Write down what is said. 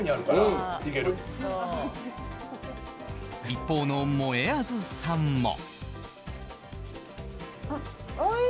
一方のもえあずさんも。